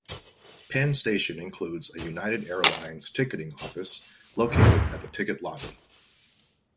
Penn Station includes a United Airlines ticketing office, located at the ticket lobby.